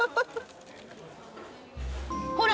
ほら。